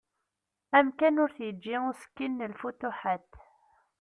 Amkan ur t-yeǧǧi usekkin n “lfutuḥat”.